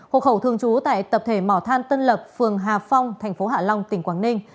hộ khẩu thường trú tại tập thể mỏ than tân lập phường hà phong tp hạ long tp quảng ninh